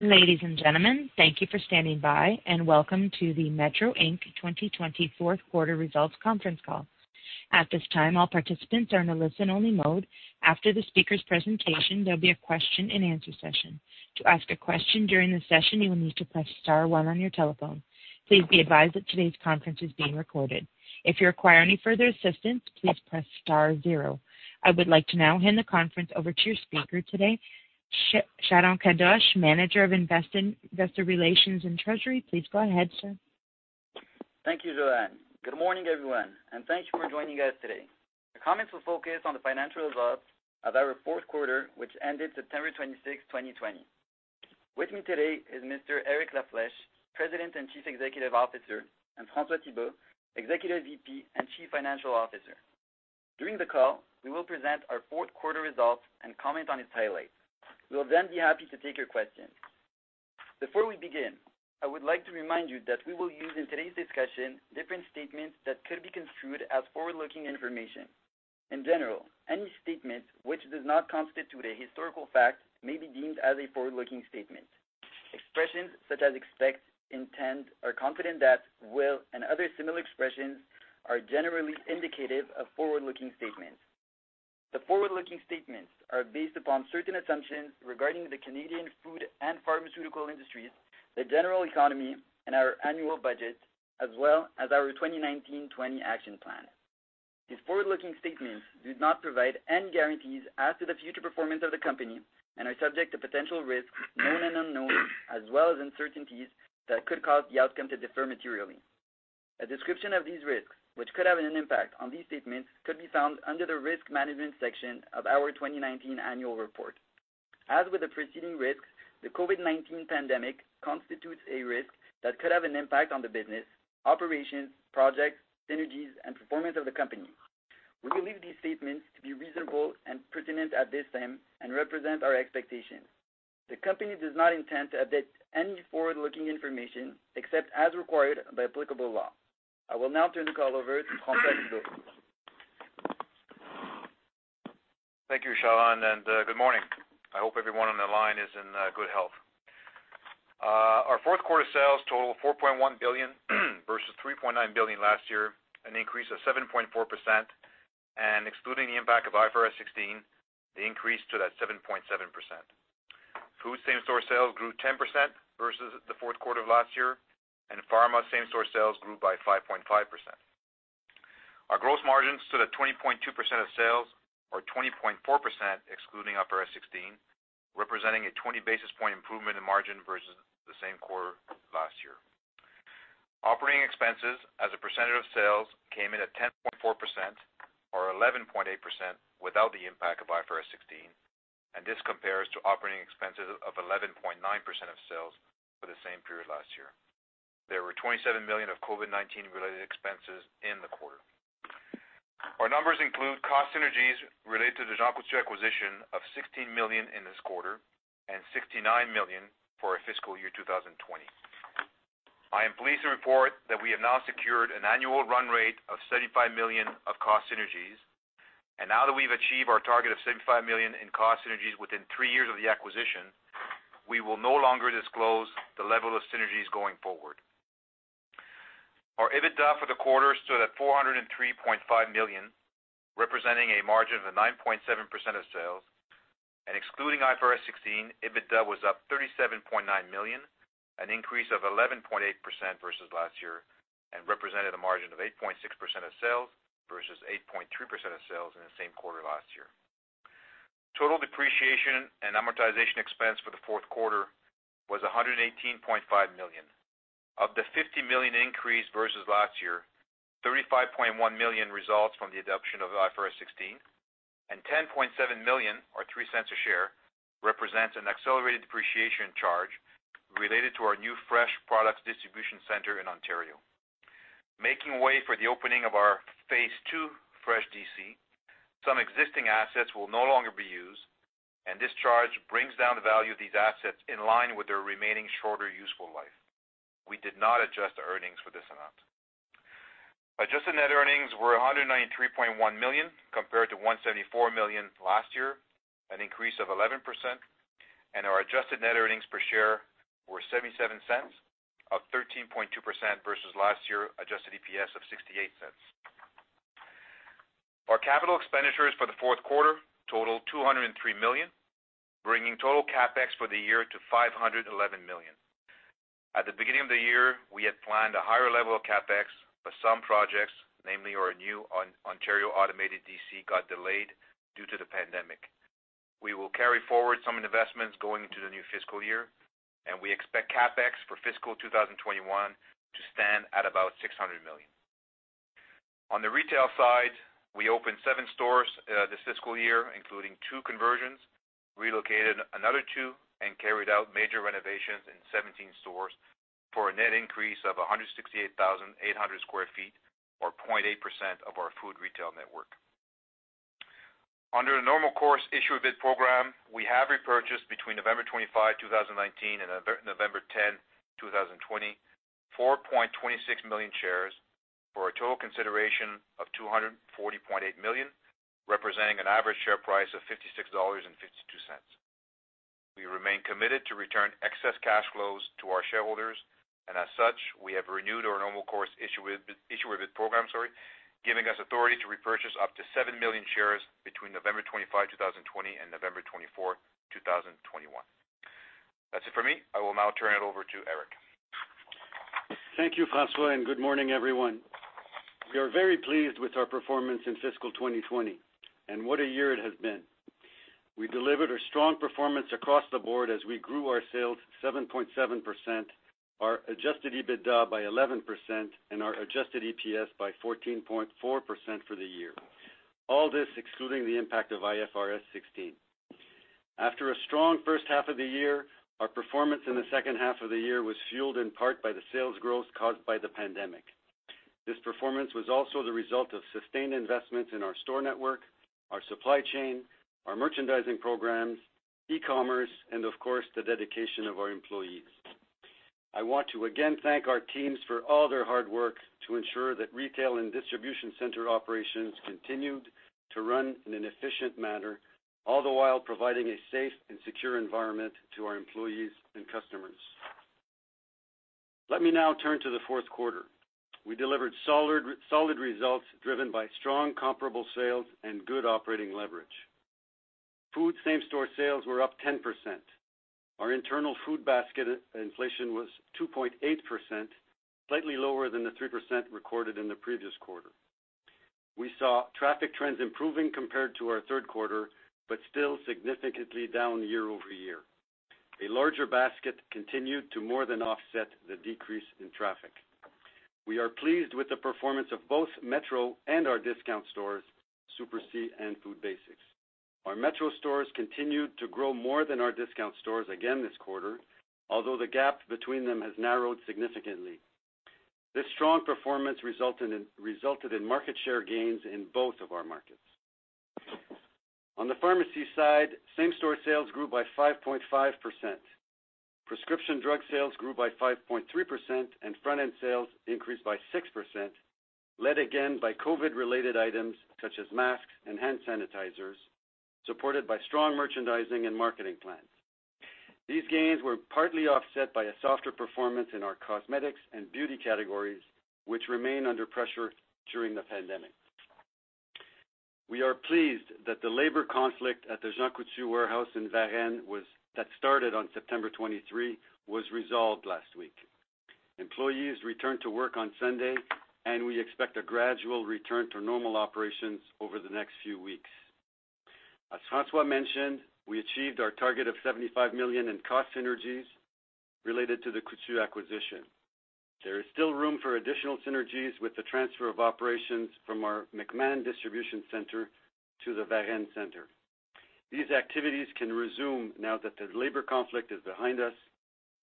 Ladies and gentlemen, thank you for standing by, and welcome to the Metro Inc. 2020 fourth quarter results conference call. At this time, all participants are in a listen-only mode. After the speaker's presentation, there'll be a question and answer session. To ask a question during the session, you will need to press star one on your telephone. Please be advised that today's conference is being recorded. If you require any further assistance, please press star zero. I would like to now hand the conference over to your speaker today, Sharon Kadoche, Manager of Investor Relations and Treasury. Please go ahead, sir. Thank you, Joanne. Good morning, everyone, and thank you for joining us today. The comments will focus on the financial results of our fourth quarter, which ended September 26, 2020. With me today is Mr. Eric La Flèche, President and Chief Executive Officer, and François Thibault, Executive VP and Chief Financial Officer. During the call, we will present our fourth quarter results and comment on its highlights. We'll then be happy to take your questions. Before we begin, I would like to remind you that we will use in today's discussion different statements that could be construed as forward-looking information. In general, any statement which does not constitute a historical fact may be deemed as a forward-looking statement. Expressions such as expect, intend, are confident that, will, and other similar expressions are generally indicative of forward-looking statements. The forward-looking statements are based upon certain assumptions regarding the Canadian food and pharmaceutical industries, the general economy, and our annual budget, as well as our 2019-20 action plan. These forward-looking statements do not provide any guarantees as to the future performance of the company and are subject to potential risks, known and unknown, as well as uncertainties that could cause the outcome to differ materially. A description of these risks, which could have an impact on these statements, could be found under the risk management section of our 2019 annual report. As with the preceding risk, the COVID-19 pandemic constitutes a risk that could have an impact on the business, operations, projects, synergies, and performance of the company. We believe these statements to be reasonable and pertinent at this time and represent our expectations. The company does not intend to update any forward-looking information except as required by applicable law. I will now turn the call over to François Thibault. Thank you, Sharon, and good morning. I hope everyone on the line is in good health. Our fourth quarter sales totaled 4.1 billion versus 3.9 billion last year, an increase of 7.4%. Excluding the impact of IFRS 16, the increase to that 7.7%. Food same-store sales grew 10% versus the fourth quarter of last year, and pharma same-store sales grew by 5.5%. Our gross margins stood at 20.2% of sales, or 20.4% excluding IFRS 16, representing a 20 basis point improvement in margin versus the same quarter last year. Operating expenses as a percentage of sales came in at 10.4%, or 11.8% without the impact of IFRS 16, and this compares to operating expenses of 11.9% of sales for the same period last year. There were 27 million of COVID-19 related expenses in the quarter. Our numbers include cost synergies related to the Jean Coutu acquisition of 16 million in this quarter and 69 million for our fiscal year 2020. I am pleased to report that we have now secured an annual run rate of 75 million of cost synergies. Now that we've achieved our target of 75 million in cost synergies within three years of the acquisition, we will no longer disclose the level of synergies going forward. Our EBITDA for the quarter stood at 403.5 million, representing a margin of 9.7% of sales. Excluding IFRS 16, EBITDA was up 37.9 million, an increase of 11.8% versus last year and represented a margin of 8.6% of sales versus 8.3% of sales in the same quarter last year. Total depreciation and amortization expense for the fourth quarter was 118.5 million. Of the 50 million increase versus last year, 35.1 million results from the adoption of IFRS 16 and 10.7 million, or 0.03 a share, represents an accelerated depreciation charge related to our new fresh products distribution center in Ontario. Making way for the opening of our phase 2 fresh DC, some existing assets will no longer be used, and this charge brings down the value of these assets in line with their remaining shorter useful life. We did not adjust the earnings for this amount. Adjusted net earnings were 193.1 million, compared to 174 million last year, an increase of 11%, and our adjusted net earnings per share were 0.77, up 13.2% versus last year adjusted EPS of 0.68. Our capital expenditures for the fourth quarter totaled 203 million, bringing total CapEx for the year to 511 million. At the beginning of the year, we had planned a higher level of CapEx, but some projects, namely our new Ontario automated DC, got delayed due to the pandemic. We will carry forward some investments going into the new fiscal year. We expect CapEx for fiscal 2021 to stand at about 600 million. On the retail side, we opened seven stores this fiscal year, including two conversions, relocated another two, and carried out major renovations in 17 stores for a net increase of 168,800 sq ft, or 0.8% of our food retail network. Under a Normal Course Issuer Bid program, we have repurchased between November 25, 2019 and November 10, 2020, 4.26 million shares for a total consideration of 240.8 million, representing an average share price of 56.52 dollars. We remain committed to return excess cash flows to our shareholders. As such, we have renewed our Normal Course Issuer Bid program, giving us authority to repurchase up to 7 million shares between November 25, 2020, and November 24, 2021. That's it for me. I will now turn it over to Eric. Thank you, François, and good morning, everyone. We are very pleased with our performance in fiscal 2020, and what a year it has been. We delivered a strong performance across the board as we grew our sales 7.7%, our adjusted EBITDA by 11%, and our adjusted EPS by 14.4% for the year. All this excluding the impact of IFRS 16. After a strong first half of the year, our performance in the second half of the year was fueled in part by the sales growth caused by the pandemic. This performance was also the result of sustained investments in our store network, our supply chain, our merchandising programs, e-commerce, and of course, the dedication of our employees. I want to again thank our teams for all their hard work to ensure that retail and distribution center operations continued to run in an efficient manner, all the while providing a safe and secure environment to our employees and customers. Let me now turn to the fourth quarter. We delivered solid results, driven by strong comparable sales and good operating leverage. Food same-store sales were up 10%. Our internal food basket inflation was 2.8%, slightly lower than the 3% recorded in the previous quarter. We saw traffic trends improving compared to our third quarter, but still significantly down year-over-year. A larger basket continued to more than offset the decrease in traffic. We are pleased with the performance of both Metro and our discount stores, Super C and Food Basics. Our Metro stores continued to grow more than our discount stores again this quarter, although the gap between them has narrowed significantly. This strong performance resulted in market share gains in both of our markets. On the pharmacy side, same-store sales grew by 5.5%. Prescription drug sales grew by 5.3%, and front-end sales increased by 6%, led again by COVID-related items such as masks and hand sanitizers, supported by strong merchandising and marketing plans. These gains were partly offset by a softer performance in our cosmetics and beauty categories, which remain under pressure during the pandemic. We are pleased that the labor conflict at the Jean Coutu warehouse in Varennes that started on September 23 was resolved last week. Employees returned to work on Sunday, and we expect a gradual return to normal operations over the next few weeks. As François mentioned, we achieved our target of 75 million in cost synergies related to the Coutu acquisition. There is still room for additional synergies with the transfer of operations from our McMahon distribution center to the Varennes center. These activities can resume now that the labor conflict is behind us,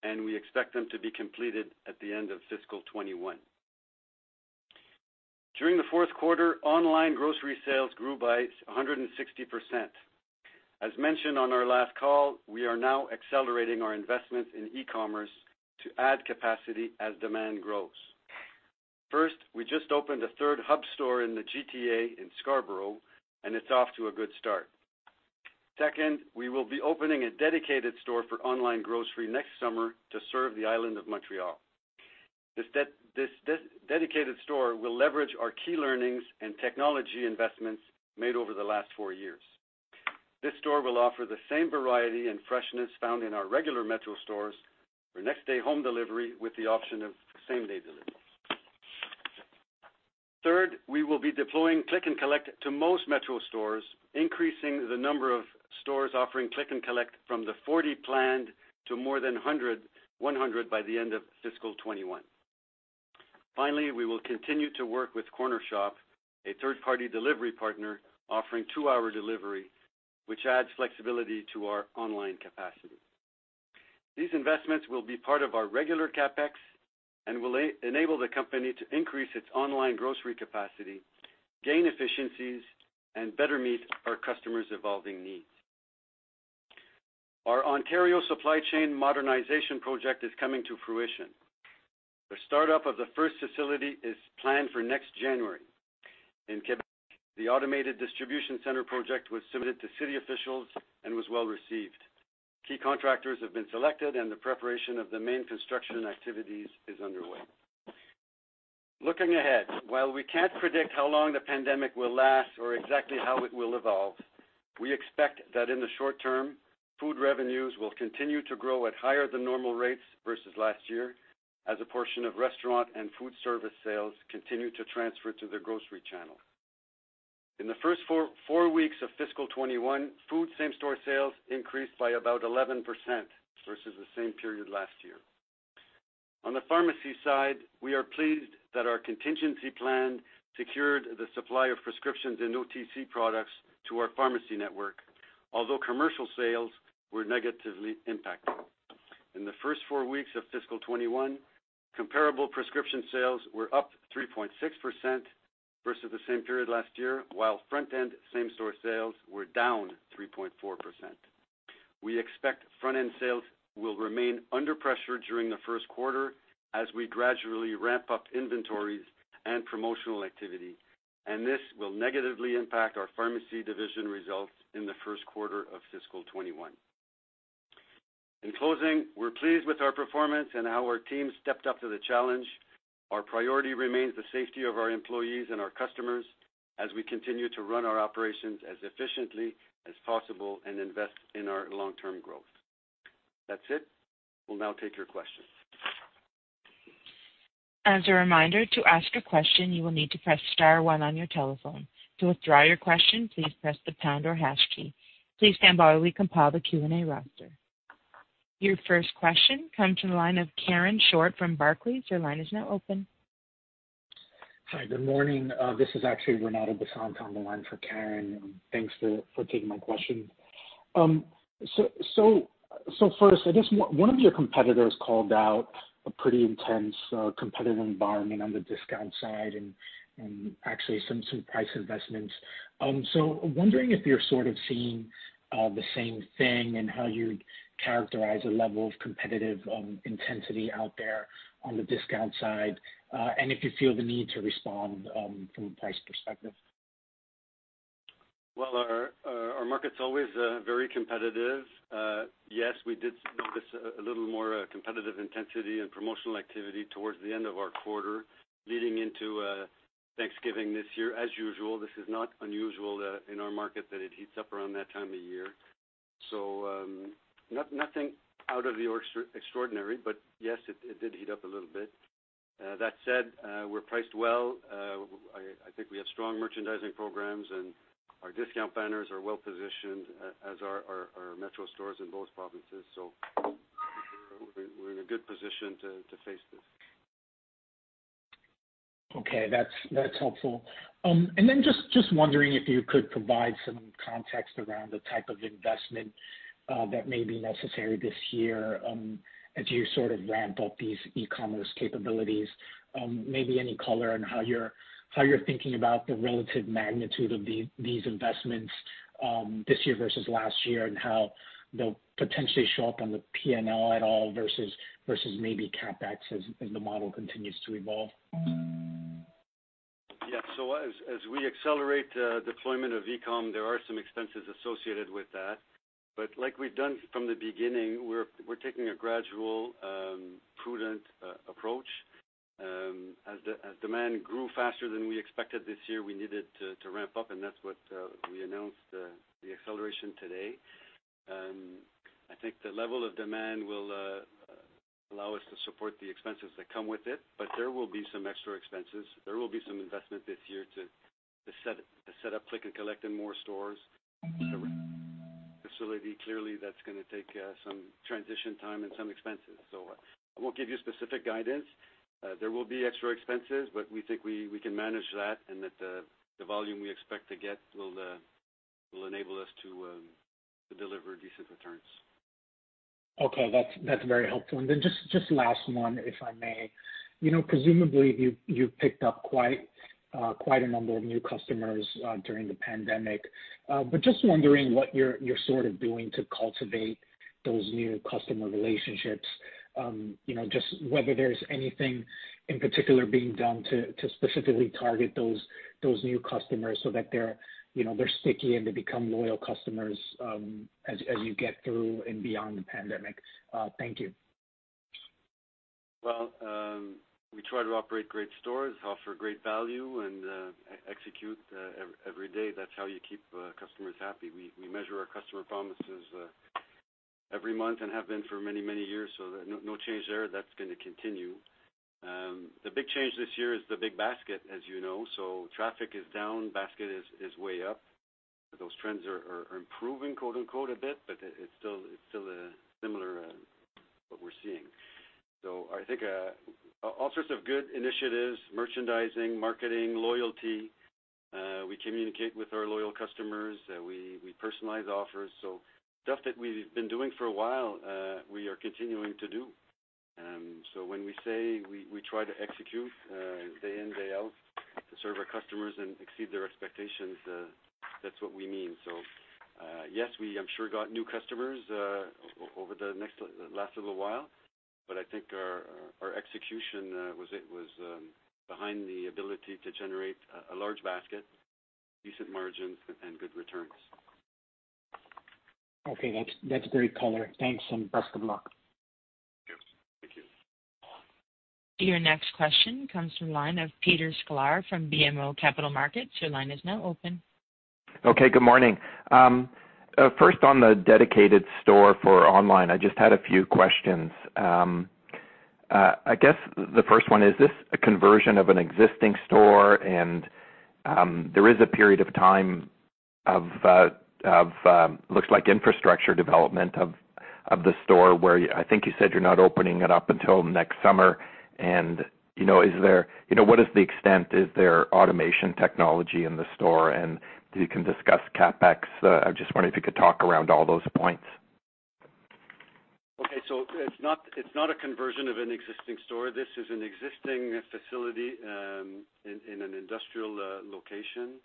and we expect them to be completed at the end of fiscal 2021. During the fourth quarter, online grocery sales grew by 160%. As mentioned on our last call, we are now accelerating our investments in e-commerce to add capacity as demand grows. First, we just opened a third hub store in the GTA in Scarborough, and it's off to a good start. Second, we will be opening a dedicated store for online grocery next summer to serve the island of Montreal. This dedicated store will leverage our key learnings and technology investments made over the last four years. This store will offer the same variety and freshness found in our regular Metro stores for next-day home delivery with the option of same-day delivery. Third, we will be deploying click and collect to most Metro stores, increasing the number of stores offering click and collect from the 40 planned to more than 100 by the end of fiscal 2021. Finally, we will continue to work with Cornershop, a third-party delivery partner offering two-hour delivery, which adds flexibility to our online capacity. These investments will be part of our regular CapEx and will enable the company to increase its online grocery capacity, gain efficiencies, and better meet our customers' evolving needs. Our Ontario supply chain modernization project is coming to fruition. The startup of the first facility is planned for next January. In Quebec, the automated distribution center project was submitted to city officials and was well-received. Key contractors have been selected. The preparation of the main construction activities is underway. Looking ahead, while we can't predict how long the pandemic will last or exactly how it will evolve, we expect that in the short term, food revenues will continue to grow at higher than normal rates versus last year, as a portion of restaurant and food service sales continue to transfer to the grocery channel. In the first four weeks of fiscal 2021, food same-store sales increased by about 11% versus the same period last year. On the pharmacy side, we are pleased that our contingency plan secured the supply of prescriptions and OTC products to our pharmacy network, although commercial sales were negatively impacted. In the first four weeks of fiscal 2021, comparable prescription sales were up 3.6% versus the same period last year, while front-end same-store sales were down 3.4%. We expect front-end sales will remain under pressure during the first quarter as we gradually ramp up inventories and promotional activity. This will negatively impact our pharmacy division results in the first quarter of fiscal 2021. In closing, we're pleased with our performance and how our team stepped up to the challenge. Our priority remains the safety of our employees and our customers as we continue to run our operations as efficiently as possible and invest in our long-term growth. That's it. We'll now take your questions. As a reminder, to ask a question, you will need to press star one on your telephone. To withdraw your question, please press the pound or hash key. Please stand by while we compile the Q&A roster. Your first question comes from the line of Karen Short from Barclays. Your line is now open. Hi, good morning. This is actually Renato Basanta on the line for Karen. Thanks for taking my question. First, I guess one of your competitors called out a pretty intense competitive environment on the discount side and actually some price investments. Wondering if you're sort of seeing the same thing and how you'd characterize the level of competitive intensity out there on the discount side. If you feel the need to respond from a price perspective. Well, our market's always very competitive. Yes, we did notice a little more competitive intensity and promotional activity towards the end of our quarter, leading into Thanksgiving this year. As usual, this is not unusual in our market that it heats up around that time of year. Nothing out of the ordinary, but yes, it did heat up a little bit. That said, we're priced well. I think we have strong merchandising programs, our discount banners are well-positioned, as are our Metro stores in both provinces. We're in a good position to face this. Okay. That's helpful. Then just wondering if you could provide some context around the type of investment that may be necessary this year as you sort of ramp up these e-commerce capabilities. Maybe any color on how you're thinking about the relative magnitude of these investments this year versus last year and how they'll potentially show up on the P&L at all versus maybe CapEx as the model continues to evolve. Yeah. As we accelerate deployment of e-com, there are some expenses associated with that. Like we've done from the beginning, we're taking a gradual, prudent approach. As demand grew faster than we expected this year, we needed to ramp up, and that's what we announced, the acceleration today. I think the level of demand will allow us to support the expenses that come with it, but there will be some extra expenses. There will be some investment this year to set up click and collect in more stores. Clearly, that's going to take some transition time and some expenses. I won't give you specific guidance. There will be extra expenses, but we think we can manage that and that the volume we expect to get will enable us to deliver decent returns. Okay. That's very helpful. Just last one, if I may. Presumably, you've picked up quite a number of new customers during the pandemic, just wondering what you're sort of doing to cultivate those new customer relationships. Just whether there's anything in particular being done to specifically target those new customers so that they're sticky, and they become loyal customers as you get through and beyond the pandemic. Thank you. Well, we try to operate great stores, offer great value, and execute every day. That's how you keep customers happy. We measure our customer promises every month and have been for many, many years, no change there. That's going to continue. The big change this year is the big basket, as you know. Traffic is down, basket is way up. Those trends are improving, quote-unquote, a bit, it's still similar, what we're seeing. I think all sorts of good initiatives, merchandising, marketing, loyalty. We communicate with our loyal customers. We personalize offers. Stuff that we've been doing for a while, we are continuing to do. When we say we try to execute day in, day out to serve our customers and exceed their expectations, that's what we mean. Yes, we sure got new customers over the last little while, I think our execution was behind the ability to generate a large basket, decent margins, and good returns. Okay. That's great color. Thanks, and best of luck. Thank you. Your next question comes from the line of Peter Sklar from BMO Capital Markets. Your line is now open. Okay, good morning. First on the dedicated store for online, I just had a few questions. I guess the first one, is this a conversion of an existing store? There is a period of time of, looks like infrastructure development of the store where I think you said you're not opening it up until next summer. What is the extent, is there automation technology in the store, and you can discuss CapEx? I just wondered if you could talk around all those points. It's not a conversion of an existing store. This is an existing facility in an industrial location.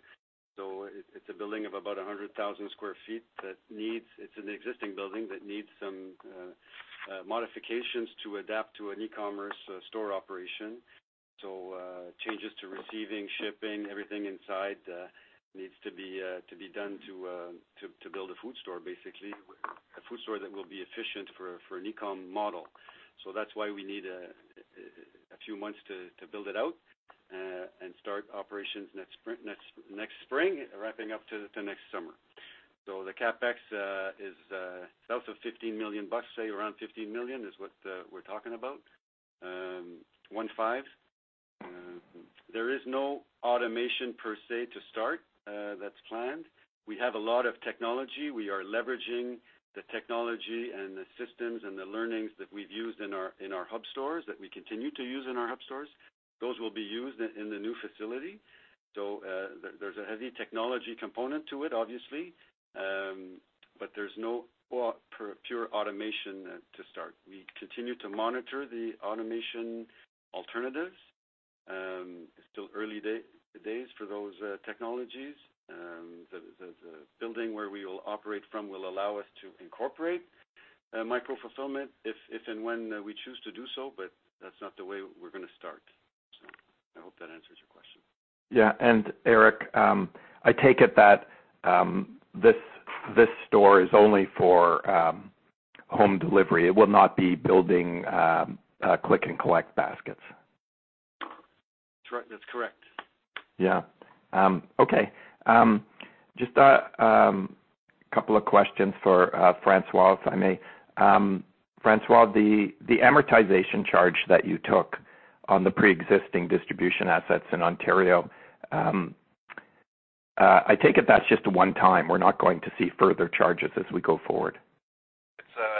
It's a building of about 100,000 square feet. It's an existing building that needs some modifications to adapt to an e-commerce store operation. Changes to receiving, shipping, everything inside needs to be done to build a food store, basically, a food store that will be efficient for an e-com model. That's why we need a few months to build it out and start operations next spring, ramping up to next summer. The CapEx is south of 15 million bucks, say around 15 million is what we're talking about. One five. There is no automation per se to start that's planned. We have a lot of technology. We are leveraging the technology and the systems and the learnings that we've used in our hub stores, that we continue to use in our hub stores. Those will be used in the new facility. There's a heavy technology component to it, obviously, but there's no pure automation to start. We continue to monitor the automation alternatives. It's still early days for those technologies. The building where we will operate from will allow us to incorporate micro-fulfillment if and when we choose to do so, but that's not the way we're going to start. I hope that answers your question. Yeah. Eric, I take it that this store is only for home delivery. It will not be building click and collect baskets. That's correct. Yeah. Okay. Just a couple of questions for François, if I may. François, the amortization charge that you took on the preexisting distribution assets in Ontario, I take it that's just a one-time. We're not going to see further charges as we go forward.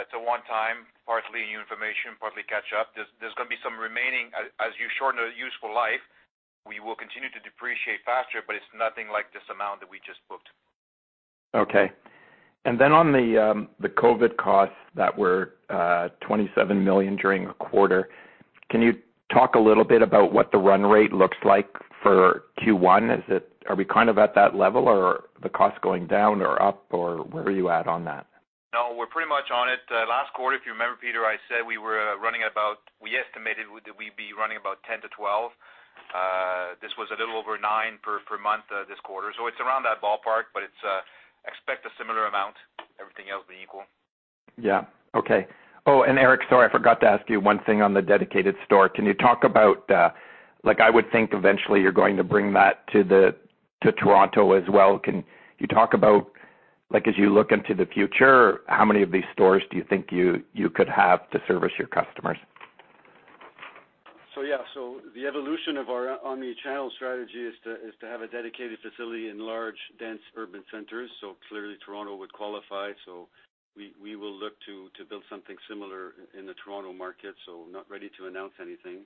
It's a one-time, partly new information, partly catch up. There's going to be some remaining, as you shorten a useful life, we will continue to depreciate faster, but it's nothing like this amount that we just booked. Okay. On the COVID costs that were 27 million during a quarter, can you talk a little bit about what the run rate looks like for Q1? Are we kind of at that level, or are the costs going down or up, or where are you at on that? No, we're pretty much on it. Last quarter, if you remember, Peter, I said we estimated that we'd be running about 10 million to 12 million. This was a little over 9 million per month this quarter. It's around that ballpark, but expect a similar amount, everything else being equal. Yeah. Okay. Oh, Eric, sorry, I forgot to ask you one thing on the dedicated store. Can you talk about, like I would think eventually you're going to bring that to Toronto as well. Can you talk about, as you look into the future, how many of these stores do you think you could have to service your customers? Yeah. The evolution of our omni-channel strategy is to have a dedicated facility in large, dense urban centers. Clearly Toronto would qualify. We will look to build something similar in the Toronto market, not ready to announce anything.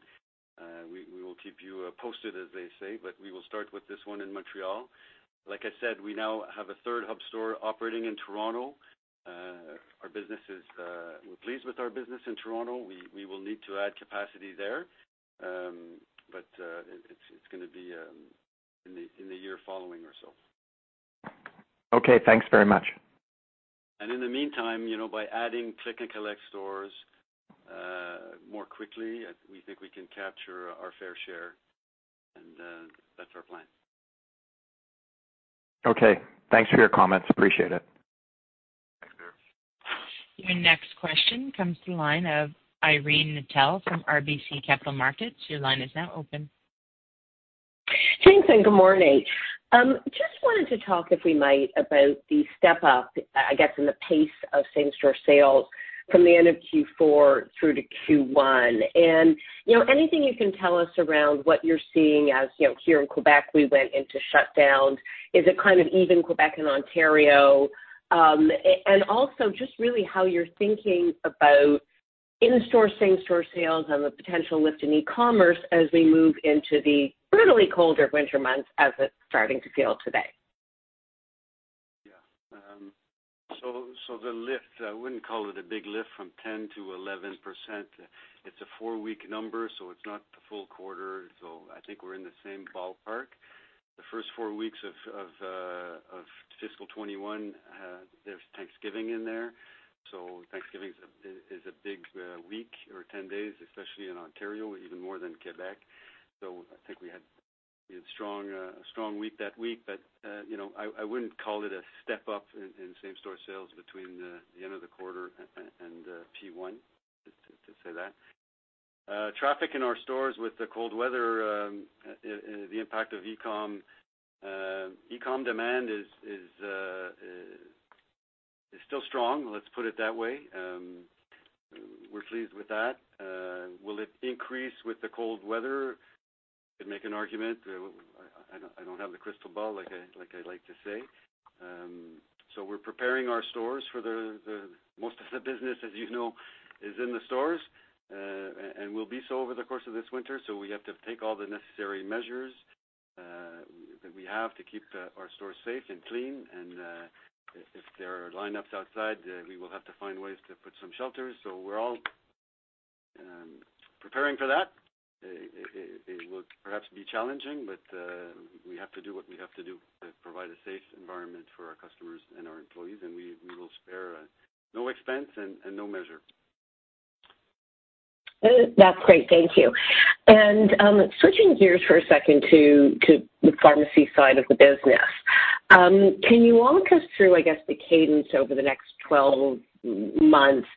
We will keep you posted, as they say, but we will start with this one in Montreal. Like I said, we now have a third hub store operating in Toronto. We're pleased with our business in Toronto. We will need to add capacity there. It's going to be in the year following or so. Okay. Thanks very much. In the meantime, by adding click and collect stores more quickly, we think we can capture our fair share, and that's our plan. Okay. Thanks for your comments. Appreciate it. Thanks, Peter. Your next question comes to the line of Irene Nattel from RBC Capital Markets. Your line is now open. Gents, good morning. Just wanted to talk, if we might, about the step-up, I guess, in the pace of same-store sales from the end of Q4 through to Q1. Anything you can tell us around what you're seeing as here in Quebec, we went into shutdown? Is it kind of even Quebec and Ontario? Also just really how you're thinking about in-store same-store sales and the potential lift in e-commerce as we move into the brutally colder winter months as it's starting to feel today? The lift, I wouldn't call it a big lift from 10%-11%. It's a 4-week number, so it's not the full quarter. I think we're in the same ballpark. The first 4 weeks of fiscal 2021, there's Thanksgiving in there. Thanksgiving is a big week or 10 days, especially in Ontario, even more than Quebec. I think we had a strong week that week, but I wouldn't call it a step up in same store sales between the end of the quarter and Q1, to say that. Traffic in our stores with the cold weather, the impact of e-com demand is still strong, let's put it that way. We're pleased with that. Will it increase with the cold weather? You could make an argument. I don't have the crystal ball like I like to say. We're preparing our stores for the most of the business, as you know, is in the stores, and will be so over the course of this winter, we have to take all the necessary measures that we have to keep our stores safe and clean, and if there are lineups outside, we will have to find ways to put some shelters. We're all preparing for that. It will perhaps be challenging, we have to do what we have to do to provide a safe environment for our customers and our employees, and we will spare no expense and no measure. That's great. Thank you. Switching gears for a second to the pharmacy side of the business. Can you walk us through, I guess, the cadence over the next 12 months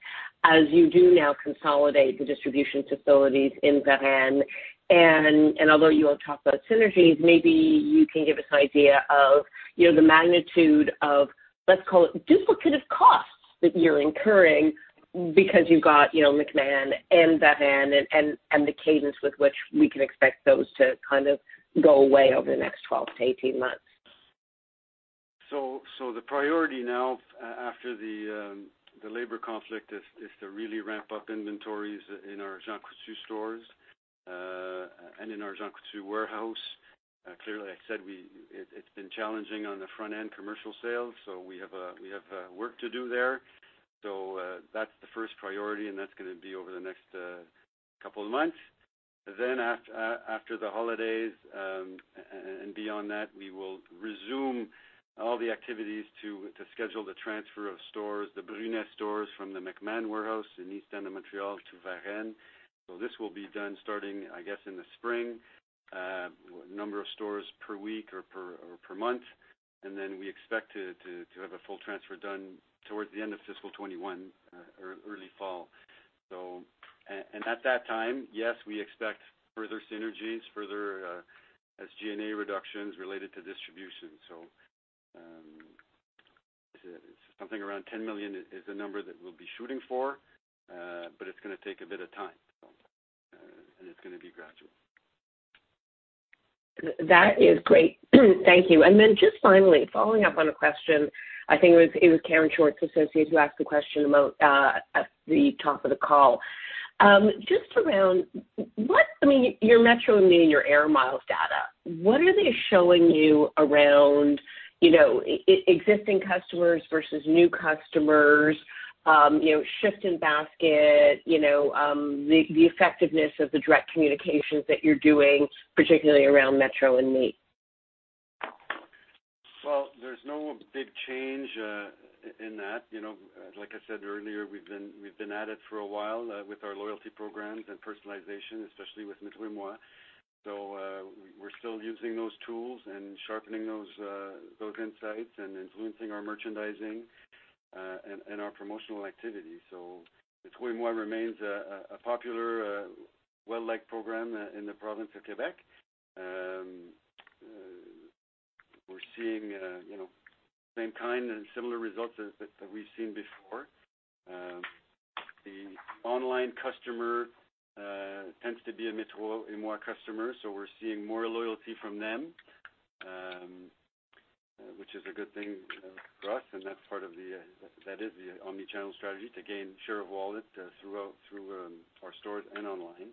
as you do now consolidate the distribution facilities in Varennes? Although you won't talk about synergies, maybe you can give us an idea of the magnitude of, let's call it duplicative costs that you're incurring because you've got McMahon and Varennes and the cadence with which we can expect those to kind of go away over the next 12-18 months. The priority now after the labor conflict is to really ramp up inventories in our Jean Coutu stores and in our Jean Coutu warehouse. Clearly, I said it's been challenging on the front end commercial sales, we have a work to do there. That's the first priority, and that's going to be over the next couple of months. After the holidays and beyond that, we will resume all the activities to schedule the transfer of stores, the Brunet stores from the McMahon warehouse in East End of Montreal to Varennes. This will be done starting, I guess, in the spring, a number of stores per week or per month. Then we expect to have a full transfer done towards the end of fiscal 2021 or early fall. At that time, yes, we expect further synergies, further SG&A reductions related to distribution. Something around 10 million is the number that we'll be shooting for, but it's going to take a bit of time, and it's going to be gradual. That is great. Thank you. Then just finally, following up on a question, I think it was Karen Short who asked the question at the top of the call. Just around, I mean, your Metro & Moi and your Air Miles data, what are they showing you around existing customers versus new customers, shift in basket, the effectiveness of the direct communications that you're doing, particularly around Metro & Moi? There's no big change in that. Like I said earlier, we've been at it for a while with our loyalty programs and personalization, especially with Metro & Moi. We're still using those tools and sharpening those insights and influencing our merchandising and our promotional activity. Metro & Moi remains a popular, well-liked program in the province of Quebec. We're seeing same kind and similar results that we've seen before. The online customer tends to be a Metro & Moi customer, so we're seeing more loyalty from them, which is a good thing for us, and that's part of the omni-channel strategy to gain share of wallet through our stores and online.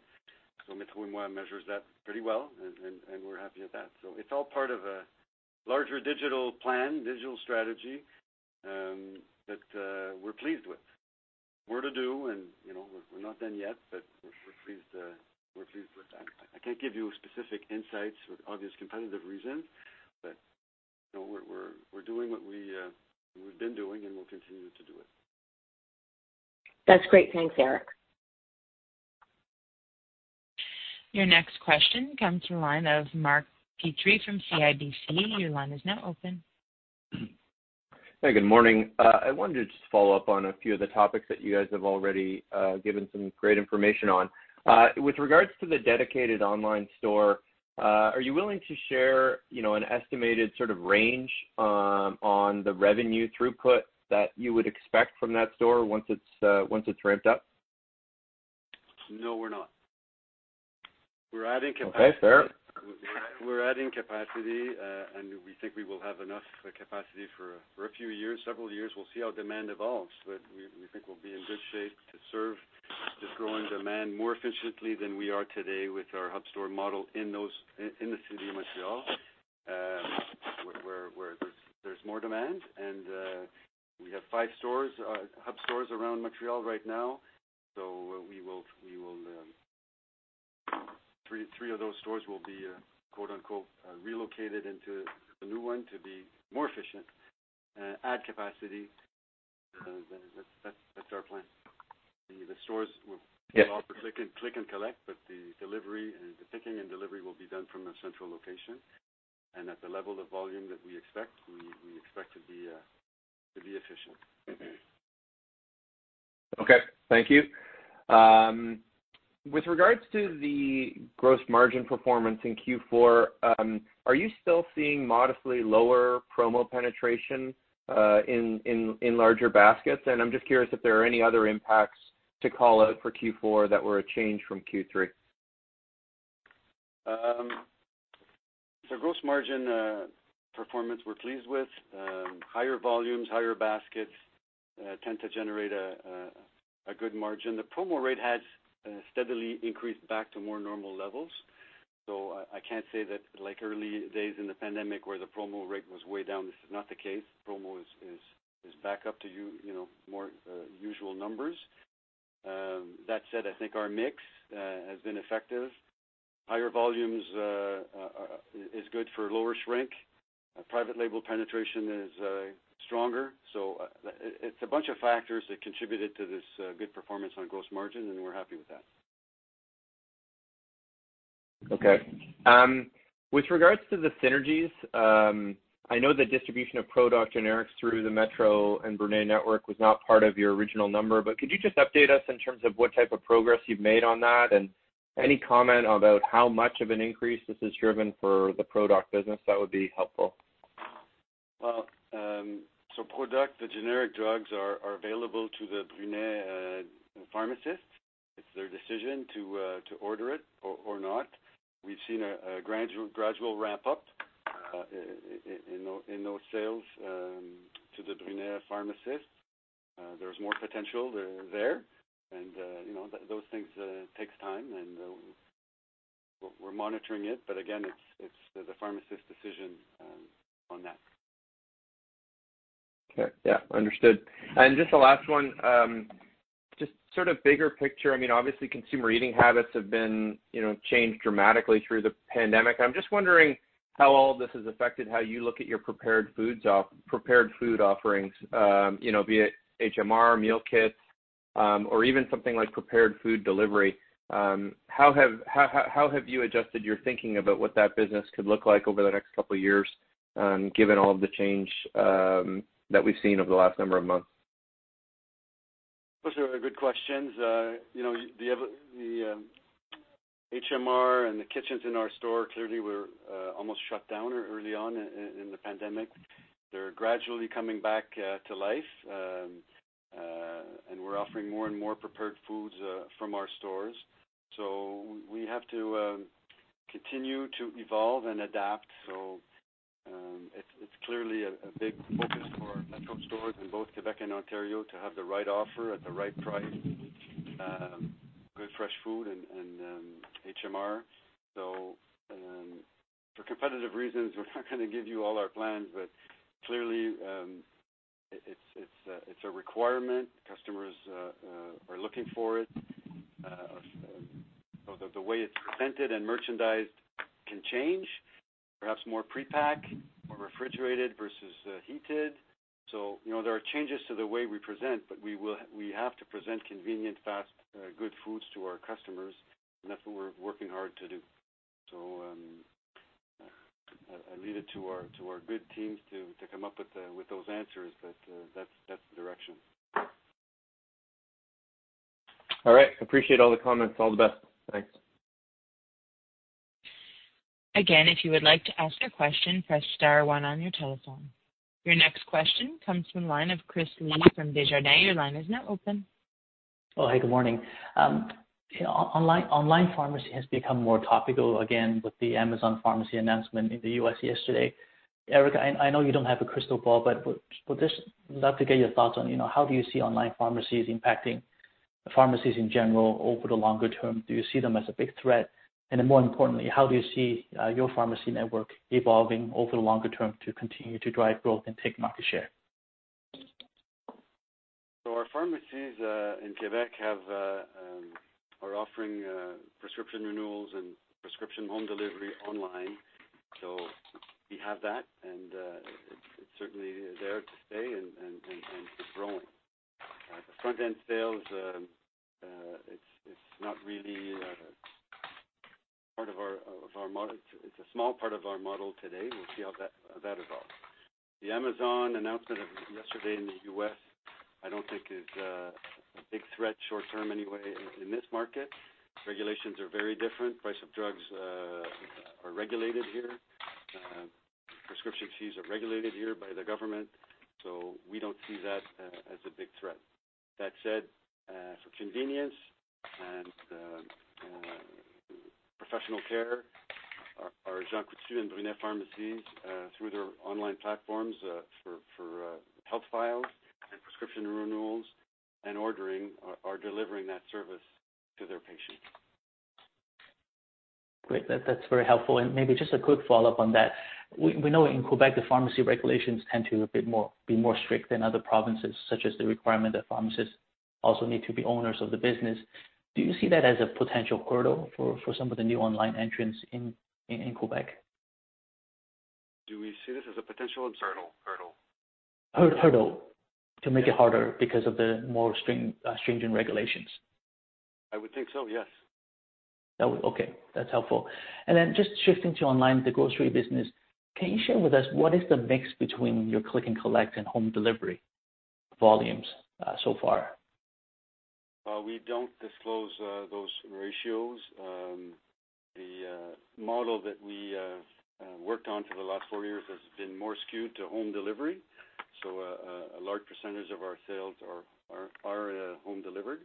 Metro & Moi measures that pretty well, and we're happy with that. It's all part of a larger digital plan, digital strategy that we're pleased with. More to do, and we're not done yet, but we're pleased with that. I can't give you specific insights for obvious competitive reasons, but we're doing what we've been doing, and we'll continue to do it. That's great. Thanks, Eric. Your next question comes from the line of Mark Petrie from CIBC. Your line is now open. Hey, good morning. I wanted to just follow up on a few of the topics that you guys have already given some great information on. With regards to the dedicated online store, are you willing to share an estimated sort of range on the revenue throughput that you would expect from that store once it's ramped up? No, we're not. Okay, fair. We're adding capacity, and we think we will have enough capacity for a few years, several years. We'll see how demand evolves, but we think we'll be in good shape to serve the growing demand more efficiently than we are today with our hub store model in the city of Montreal, where there's more demand, and we have five hub stores around Montreal right now. Three of those stores will be "relocated" into the new one to be more efficient, add capacity. That's our plan. The stores will offer. Yes Click and collect, but the picking and delivery will be done from a central location. At the level of volume that we expect, we expect to be efficient. Okay. Thank you. With regards to the gross margin performance in Q4, are you still seeing modestly lower promo penetration in larger baskets? I'm just curious if there are any other impacts to call out for Q4 that were a change from Q3. The gross margin performance we're pleased with. Higher volumes, higher baskets, tend to generate a good margin. The promo rate has steadily increased back to more normal levels. I can't say that like early days in the pandemic where the promo rate was way down, this is not the case. Promo is back up to more usual numbers. That said, I think our mix has been effective. Higher volumes is good for lower shrink. Private label penetration is stronger. It's a bunch of factors that contributed to this good performance on gross margin, and we're happy with that. Okay. With regards to the synergies, I know the distribution of Pro Doc generics through the Metro and Brunet network was not part of your original number, but could you just update us in terms of what type of progress you've made on that? And any comment about how much of an increase this has driven for the Pro Doc business, that would be helpful. Well, Pro Doc, the generic drugs are available to the Brunet pharmacists. It's their decision to order it or not. We've seen a gradual ramp-up in those sales to the Brunet pharmacists. There's more potential there, and those things takes time, and we're monitoring it. Again, it's the pharmacist's decision on that. Okay. Yeah, understood. Just the last one, just sort of bigger picture, obviously consumer eating habits have been changed dramatically through the pandemic. I'm just wondering how all of this has affected how you look at your prepared food offerings, be it HMR, meal kits or even something like prepared food delivery. How have you adjusted your thinking about what that business could look like over the next couple of years, given all the change that we've seen over the last number of months? Those are good questions. The HMR and the kitchens in our store clearly were almost shut down early on in the pandemic. They are gradually coming back to life, and we are offering more and more prepared foods from our stores. We have to continue to evolve and adapt. It is clearly a big focus for our Metro stores in both Quebec and Ontario to have the right offer at the right price, good fresh food and HMR. For competitive reasons, we are not going to give you all our plans, but clearly, it is a requirement. Customers are looking for it. The way it is presented and merchandised can change. Perhaps more pre-pack, more refrigerated versus heated. There are changes to the way we present, but we have to present convenient, fast, good foods to our customers, and that is what we are working hard to do. I leave it to our good teams to come up with those answers, but that is the direction. All right. Appreciate all the comments. All the best. Thanks. Again, if you would like to ask a question, press star one on your telephone. Your next question comes from the line of Chris Li from Desjardins. Your line is now open. Oh, hey, good morning. Online pharmacy has become more topical again with the Amazon Pharmacy announcement in the U.S. yesterday. Eric, I know you don't have a crystal ball. Would just love to get your thoughts on how do you see online pharmacies impacting pharmacies in general over the longer term? Do you see them as a big threat? More importantly, how do you see your pharmacy network evolving over the longer term to continue to drive growth and take market share? Our pharmacies in Quebec are offering prescription renewals and prescription home delivery online. We have that, and it certainly is there to stay and is growing. The front-end sales, it's a small part of our model today. We'll see how that evolves. The Amazon announcement yesterday in the U.S. I don't think is a big threat, short term anyway, in this market. Regulations are very different. Price of drugs are regulated here. Prescription fees are regulated here by the government. We don't see that as a big threat. That said, for convenience and professional care, our Jean Coutu and Brunet pharmacies, through their online platforms, for health files and prescription renewals and ordering, are delivering that service to their patients. Great. That's very helpful. Maybe just a quick follow-up on that. We know in Quebec, the pharmacy regulations tend to be more strict than other provinces, such as the requirement that pharmacists also need to be owners of the business. Do you see that as a potential hurdle for some of the new online entrants in Quebec? Do we see this as a potential-? Hurdle. Hurdle, to make it harder because of the more stringent regulations. I would think so, yes. Okay, that's helpful. Just shifting to online, the grocery business, can you share with us what is the mix between your click and collect and home delivery volumes so far? We don't disclose those ratios. The model that we worked on for the last four years has been more skewed to home delivery. A large percentage of our sales are home delivered.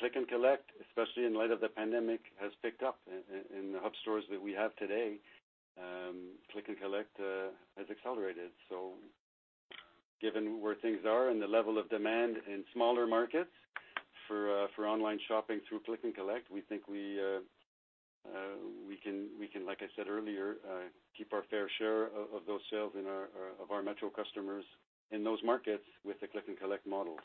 click and collect, especially in light of the pandemic, has picked up in the hub stores that we have today. click and collect has accelerated, given where things are and the level of demand in smaller markets for online shopping through click and collect, we think we can, like I said earlier, keep our fair share of those sales of our Metro customers in those markets with the click and collect model.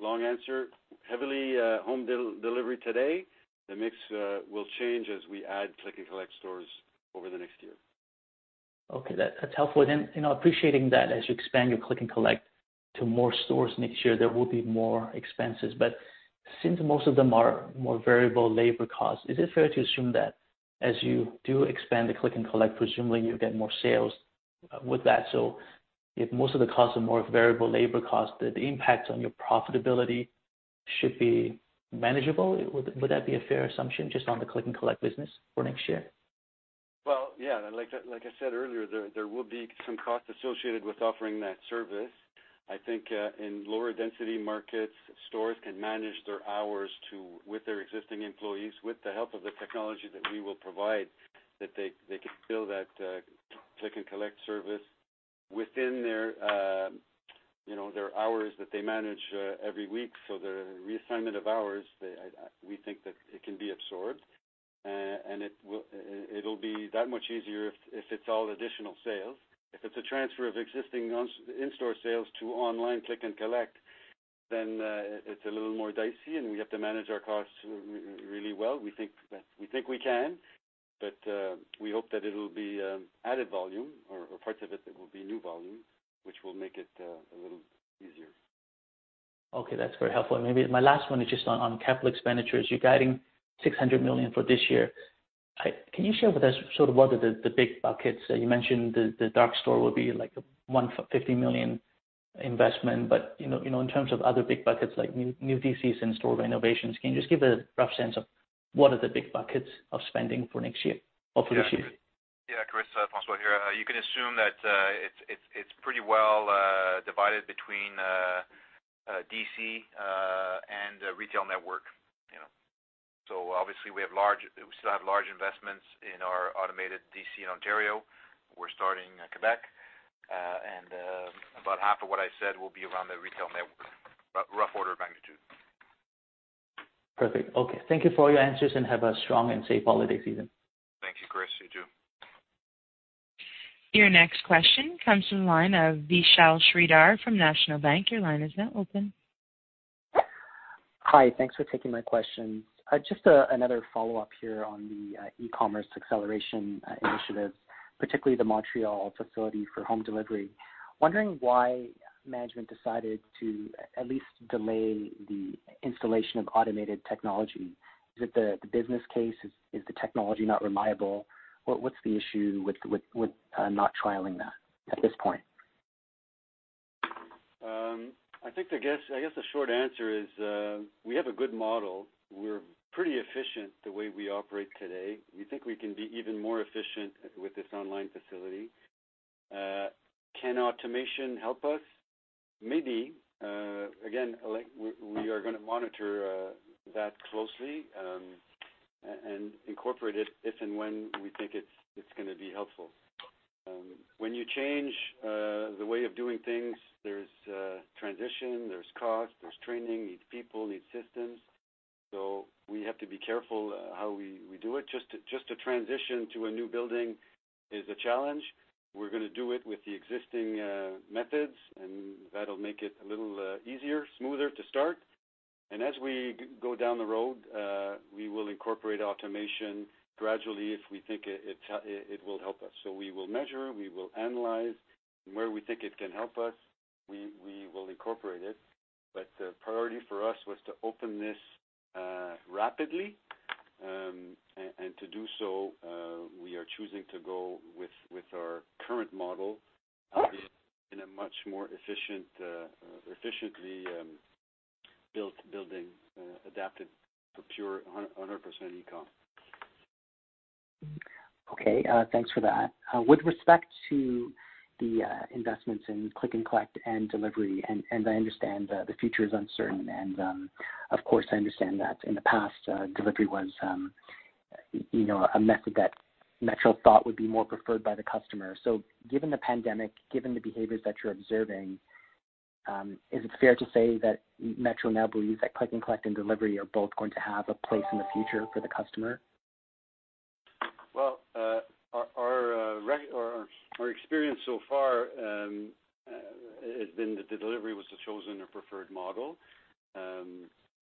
Long answer, heavily home delivery today. The mix will change as we add click and collect stores over the next year. Okay, that's helpful. Appreciating that as you expand your click and collect to more stores next year, there will be more expenses. Since most of them are more variable labor costs, is it fair to assume that as you do expand the click and collect, presumably you'll get more sales with that? If most of the costs are more variable labor costs, the impact on your profitability should be manageable? Would that be a fair assumption, just on the click and collect business for next year? Well, yeah. Like I said earlier, there will be some costs associated with offering that service. I think in lower density markets, stores can manage their hours with their existing employees with the help of the technology that we will provide, that they can fill that click and collect service within their hours that they manage every week. The reassignment of hours, we think that it can be absorbed, and it'll be that much easier if it's all additional sales. If it's a transfer of existing in-store sales to online click and collect, then it's a little more dicey, and we have to manage our costs really well. We think we can, but we hope that it'll be added volume or parts of it that will be new volume, which will make it a little easier. Okay, that's very helpful. Maybe my last one is just on capital expenditures. You're guiding 600 million for this year. Can you share with us sort of what are the big buckets? You mentioned the dark store will be like a 15 million investment, but in terms of other big buckets, like new DCs, in-store renovations, can you just give a rough sense of what are the big buckets of spending for this year? Yeah, Chris, François here. You can assume that it's pretty well divided between DC and retail network. Obviously, we still have large investments in our automated DC in Ontario. We're starting Quebec. About half of what I said will be around the retail network, rough order of magnitude. Perfect. Okay. Thank you for all your answers. Have a strong and safe holiday season. Thank you, Chris. You too. Your next question comes from the line of Vishal Shreedhar from National Bank. Your line is now open. Hi. Thanks for taking my questions. Just another follow-up here on the e-commerce acceleration initiative, particularly the Montreal facility for home delivery. Wondering why management decided to at least delay the installation of automated technology. Is it the business case? Is the technology not reliable? What's the issue with not trialing that at this point? I guess the short answer is, we have a good model. We're pretty efficient the way we operate today. We think we can be even more efficient with this online facility. Can automation help us? Maybe. Again, we are going to monitor that closely and incorporate it if and when we think it's going to be helpful. When you change the way of doing things, there's transition, there's cost, there's training, needs people, needs systems. We have to be careful how we do it. Just to transition to a new building is a challenge. We're going to do it with the existing methods, and that'll make it a little easier, smoother to start. As we go down the road, we will incorporate automation gradually if we think it will help us. We will measure, we will analyze, and where we think it can help us, we will incorporate it. The priority for us was to open this rapidly, and to do so, we are choosing to go with our current model in a much more efficiently built building, adapted for pure 100% e-com. Okay, thanks for that. With respect to the investments in click and collect and delivery, I understand the future is uncertain. Of course, I understand that in the past, delivery was a method that Metro thought would be more preferred by the customer. Given the pandemic, given the behaviors that you're observing, is it fair to say that Metro now believes that click and collect and delivery are both going to have a place in the future for the customer? Well, our experience so far has been that the delivery was the chosen or preferred model.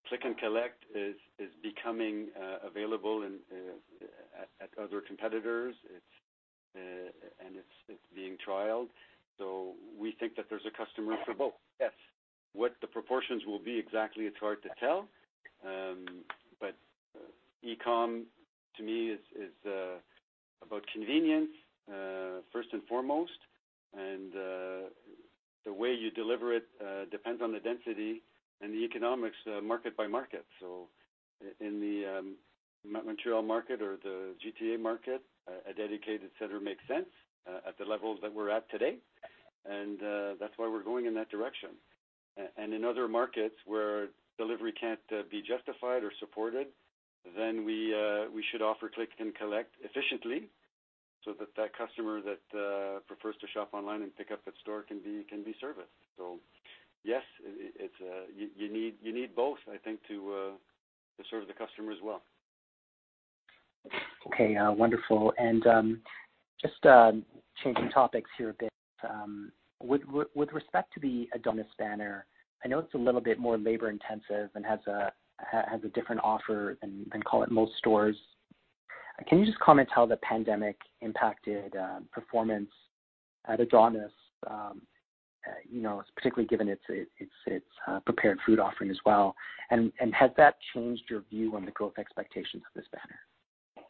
click and collect is becoming available at other competitors, and it's being trialed. We think that there's a customer for both, yes. What the proportions will be exactly, it's hard to tell. e-com to me is about convenience, first and foremost. The way you deliver it depends on the density and the economics market by market. In the Montreal market or the GTA market, a dedicated center makes sense at the levels that we're at today. That's why we're going in that direction. In other markets where delivery can't be justified or supported, we should offer click and collect efficiently so that that customer that prefers to shop online and pick up at store can be serviced. Yes, you need both, I think, to serve the customer as well. Okay, wonderful. Just changing topics here a bit. With respect to the Adonis banner, I know it's a little bit more labor-intensive and has a different offer than, call it most stores. Can you just comment how the pandemic impacted performance at Adonis? Particularly given its prepared food offering as well, has that changed your view on the growth expectations of this banner?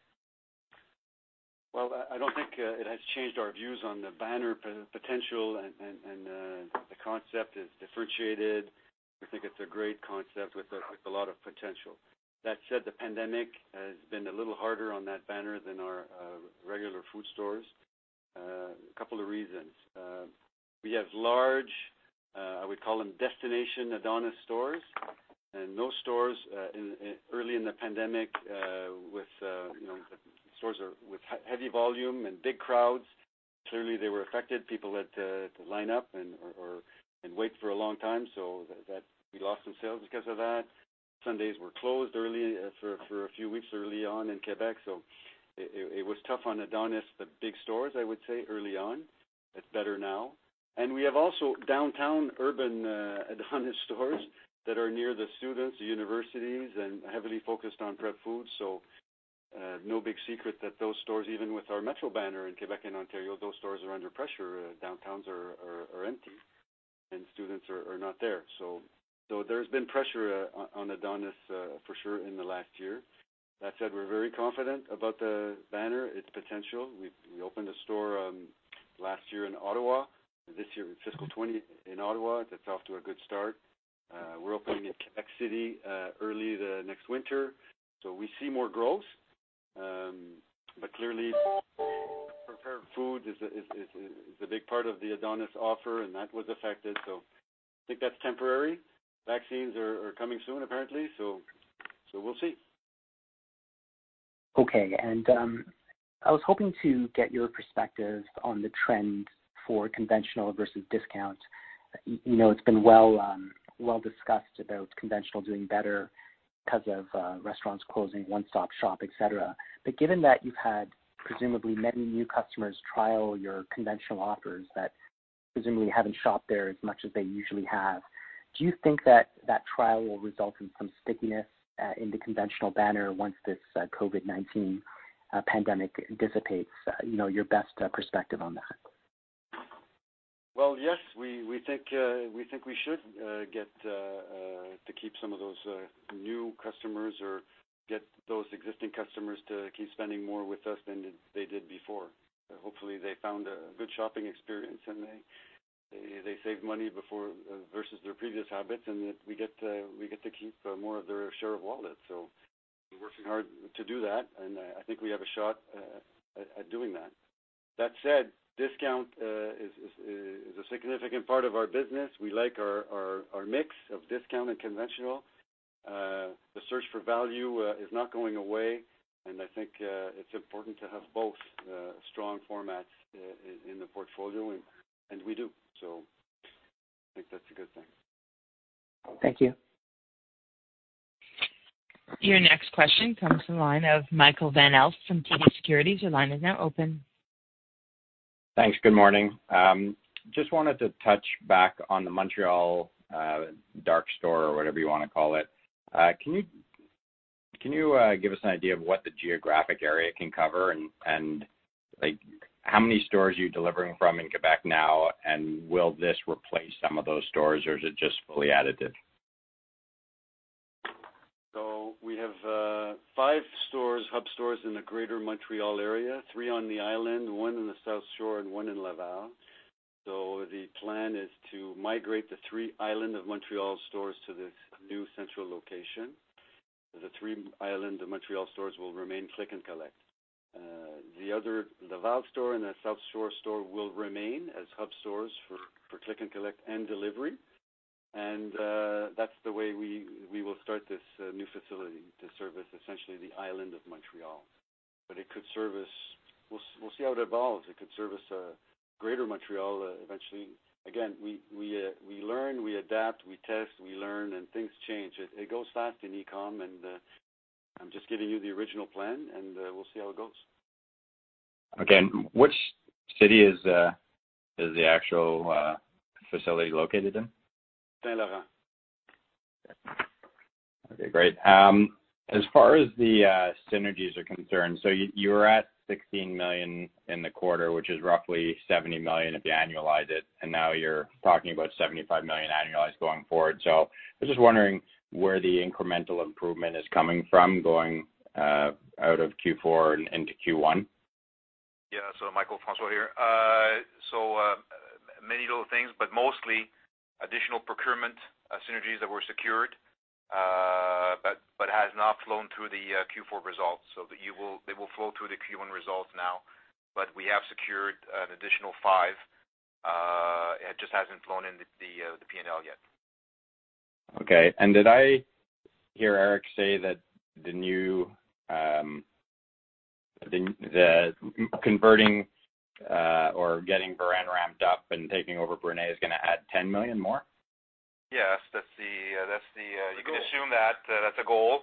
Well, I don't think it has changed our views on the banner potential, the concept is differentiated. We think it's a great concept with a lot of potential. That said, the pandemic has been a little harder on that banner than our regular food stores. A couple of reasons. We have large, we call them destination Adonis stores, those stores early in the pandemic with stores with heavy volume and big crowds, clearly they were affected. People had to line up and wait for a long time, we lost some sales because of that. Sundays were closed early for a few weeks early on in Quebec, it was tough on Adonis, the big stores, I would say early on. It's better now. We have also downtown urban Adonis stores that are near the students, the universities, and heavily focused on prep food. No big secret that those stores, even with our Metro banner in Quebec and Ontario, those stores are under pressure. Downtowns are empty, students are not there. There's been pressure on Adonis for sure in the last year. That said, we're very confident about the banner, its potential. We opened a store last year in Ottawa, this year in fiscal 2020 in Ottawa. That's off to a good start. We're opening in Quebec City early the next winter. We see more growth. Clearly prepared food is the big part of the Adonis offer, that was affected. I think that's temporary. Vaccines are coming soon, apparently, we'll see. Okay, I was hoping to get your perspective on the trend for conventional versus discount. It's been well discussed about conventional doing better because of restaurants closing, one-stop shop, et cetera. Given that you've had presumably many new customers trial your conventional offers that presumably haven't shopped there as much as they usually have, do you think that that trial will result in some stickiness in the conventional banner once this COVID-19 pandemic dissipates? Your best perspective on that. Well, yes, we think we should get to keep some of those new customers or get those existing customers to keep spending more with us than they did before. Hopefully, they found a good shopping experience, and they saved money before versus their previous habits, and we get to keep more of their share of wallet. We're working hard to do that, and I think we have a shot at doing that. That said, discount is a significant part of our business. We like our mix of discount and conventional. The search for value is not going away, and I think it's important to have both strong formats in the portfolio, and we do. I think that's a good thing. Thank you. Your next question comes from the line of Michael Van Aelst from TD Securities. Your line is now open. Thanks. Good morning. Just wanted to touch back on the Montreal dark store or whatever you want to call it. Can you give us an idea of what the geographic area can cover, and how many stores are you delivering from in Quebec now, and will this replace some of those stores, or is it just fully additive? We have five hub stores in the greater Montreal area, three on the island, one in the South Shore, and one in Laval. The plan is to migrate the three island of Montreal stores to this new central location. The three island of Montreal stores will remain click and collect. The other Laval store and the South Shore store will remain as hub stores for click and collect and delivery, and that's the way we will start this new facility to service essentially the island of Montreal. We'll see how it evolves. It could service greater Montreal eventually. Again, we learn, we adapt, we test, we learn, and things change. It goes fast in e-com, and I'm just giving you the original plan, and we'll see how it goes. Okay. Which city is the actual facility located in? Saint Laurent. Okay, great. As far as the synergies are concerned, you were at 16 million in the quarter, which is roughly 70 million if you annualize it, and now you're talking about 75 million annualized going forward. I'm just wondering where the incremental improvement is coming from going out of Q4 and into Q1. Yeah. Michael, François here. Many little things, mostly additional procurement synergies that were secured, has not flown through the Q4 results. They will flow through the Q1 results now. We have secured an additional 5 million, it just hasn't flown in the P&L yet. Okay, did I hear Eric say that converting or getting Varennes ramped up and taking over Brunet is going to add 10 million more? Yes. You can assume that. That's a goal.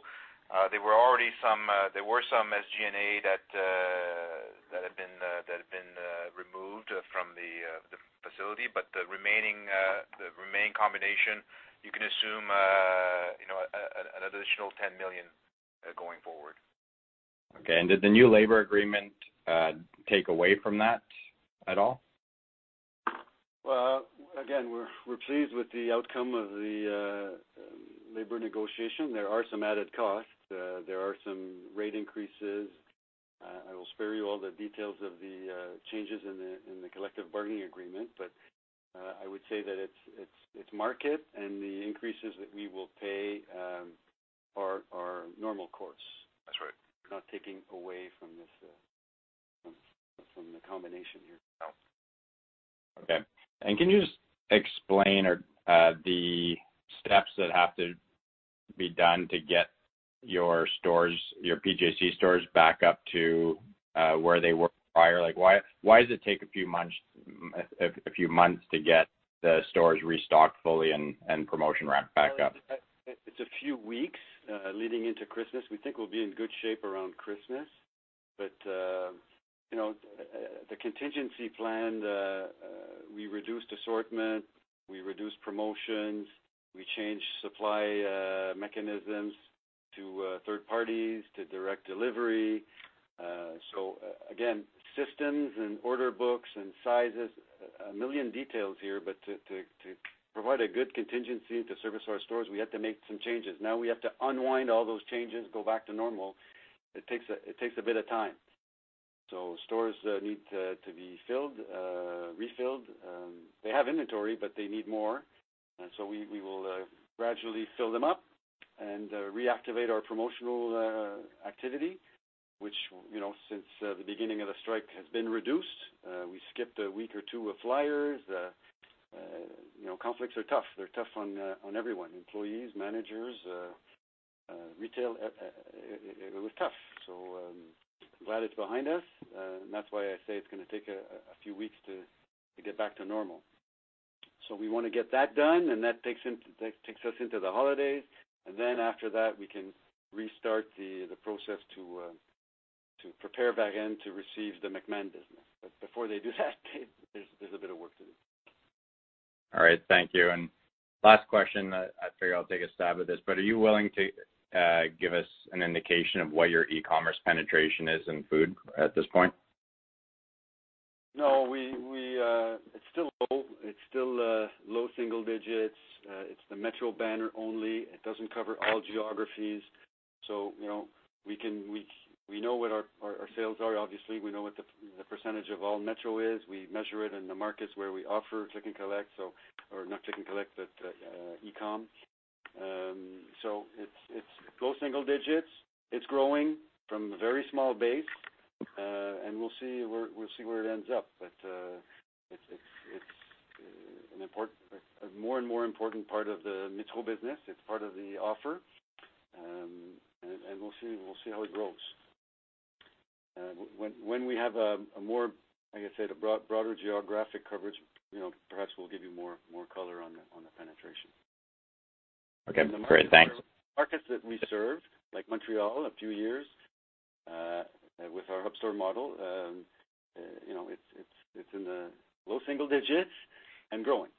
There were some SG&A that had been removed from the facility. The remaining combination, you can assume an additional 10 million going forward. Okay, did the new labor agreement take away from that at all? Well, again, we're pleased with the outcome of the labor negotiation. There are some added costs. There are some rate increases. I will spare you all the details of the changes in the collective bargaining agreement. I would say that it's market, and the increases that we will pay are normal course. That's right. Not taking away from the combination here. No. Okay. Can you just explain the steps that have to be done to get your PJC stores back up to where they were prior? Why does it take a few months to get the stores restocked fully and promotion ramped back up? It's a few weeks leading into Christmas. We think we'll be in good shape around Christmas. The contingency plan, we reduced assortment, we reduced promotions, we changed supply mechanisms to third parties, to direct delivery. Again, systems and order books and sizes, a million details here, but to provide a good contingency to service our stores, we had to make some changes. Now we have to unwind all those changes, go back to normal. It takes a bit of time. Stores need to be refilled. They have inventory, but they need more. We will gradually fill them up and reactivate our promotional activity, which, since the beginning of the strike, has been reduced. We skipped a week or two of flyers. Conflicts are tough. They're tough on everyone, employees, managers retail. It was tough. I'm glad it's behind us, and that's why I say it's going to take a few weeks to get back to normal. We want to get that done, and that takes us into the holidays. After that, we can restart the process to prepare Varenne to receive the McMahon business. Before they do that, there's a bit of work to do. All right, thank you. Last question, I figure I'll take a stab at this, are you willing to give us an indication of what your e-commerce penetration is in food at this point? It's still low. It's still low single digits. It's the Metro banner only. It doesn't cover all geographies. We know what our sales are, obviously. We know what the percentage of all Metro is. We measure it in the markets where we offer click and collect, or not click and collect, but e-com. It's low single digits. It's growing from a very small base. We'll see where it ends up. It's a more and more important part of the Metro business. It's part of the offer. We'll see how it grows. When we have, I could say, the broader geographic coverage, perhaps we'll give you more color on the penetration. Okay, great. Thanks. Markets that we served, like Montreal, a few years, with our hub store model, it's in the low single digits and growing.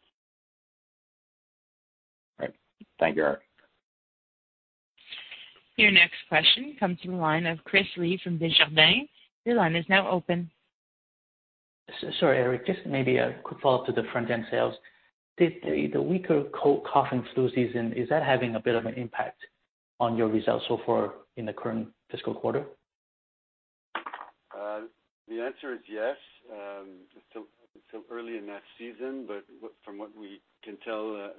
Right. Thank you, Eric. Your next question comes from the line of Chris Li from Desjardins. Your line is now open. Sorry, Eric, just maybe a quick follow-up to the front-end sales. The weaker cold, cough, and flu season, is that having a bit of an impact on your results so far in the current fiscal quarter? The answer is yes. It's still early in that season, but from what we can tell,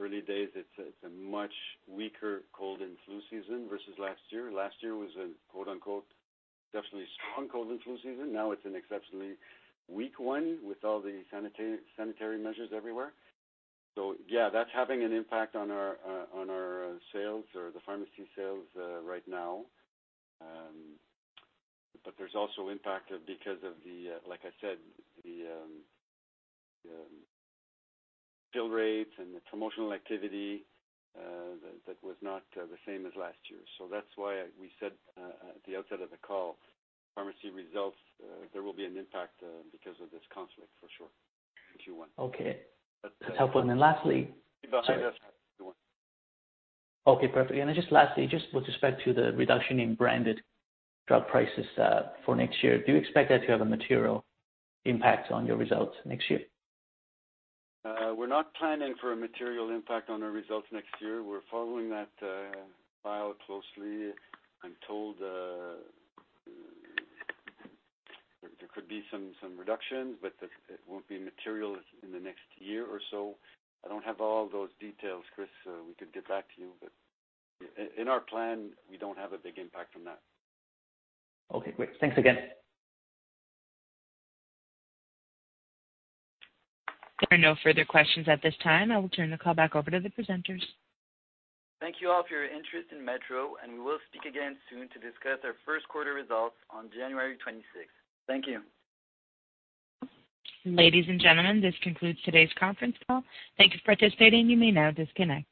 early days, it's a much weaker cold and flu season versus last year. Last year was a quote, unquote, "definitely strong cold and flu season." Now it's an exceptionally weak one with all the sanitary measures everywhere. Yeah, that's having an impact on our sales or the pharmacy sales right now. There's also impact because of the, like I said, the bill rates and the promotional activity that was not the same as last year. That's why we said at the outset of the call, pharmacy results, there will be an impact because of this conflict for sure in Q1. Okay. That's helpful. Lastly. Behind us. Okay, perfect. Just lastly, just with respect to the reduction in branded drug prices for next year, do you expect that to have a material impact on your results next year? We're not planning for a material impact on our results next year. We're following that file closely. I'm told there could be some reductions, it won't be material in the next year or so. I don't have all those details, Chris. We could get back to you, in our plan, we don't have a big impact from that. Okay, great. Thanks again. There are no further questions at this time. I will turn the call back over to the presenters. Thank you all for your interest in Metro. We will speak again soon to discuss our first quarter results on January 26th. Thank you. Ladies and gentlemen, this concludes today's conference call. Thank you for participating. You may now disconnect.